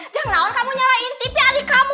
jangan lawan kamu nyerahin tipe hari kamu